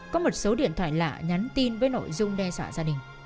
có một số điện thoại lạ nhắn tin với nội dung đe dọa gia đình